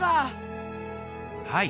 はい。